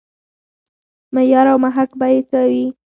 معیار او محک به یې څه وي.